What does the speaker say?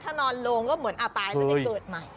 ถ้านอนโลงก็เหมือนตายแล้วได้เกิดใหม่